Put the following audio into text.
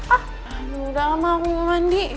ah udah lama aku mau mandi